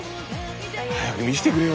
早く見せてくれよ。